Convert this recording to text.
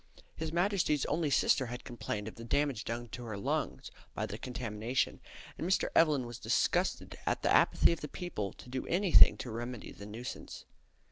His Majesty's only sister had complained of the damage done to her lungs by the contamination, and Mr. Evelyn was disgusted at the apathy of the people to do anything to remedy the nuisance.